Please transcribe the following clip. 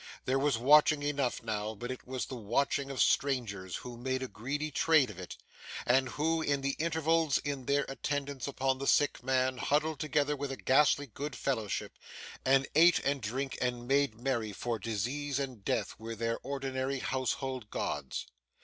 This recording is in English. There was watching enough, now, but it was the watching of strangers who made a greedy trade of it, and who, in the intervals in their attendance upon the sick man huddled together with a ghastly good fellowship, and ate and drank and made merry; for disease and death were their ordinary household gods.